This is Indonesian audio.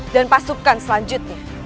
dan pasukan selanjutnya